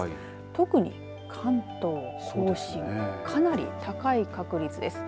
特に関東甲信かなり高い確率です。